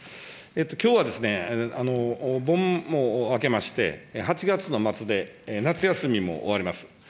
きょうはお盆も明けまして、８月の末で夏休みも終わります。